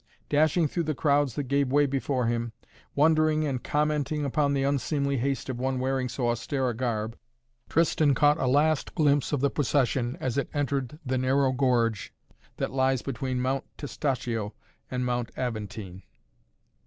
Dashing through the crowds that gave way before him, wondering and commenting upon the unseemly haste of one wearing so austere a garb, Tristan caught a last glimpse of the procession as it entered the narrow gorge that lies between Mount Testaccio and Mount Aventine.